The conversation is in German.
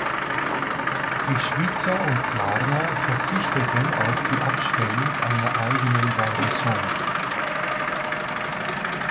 Die Schwyzer und Glarner verzichteten auf die Abstellung einer eigenen Garnison.